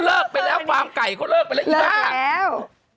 เลิกไปแล้วความไก่เขาเลิกไปเร็กอย่างนั้น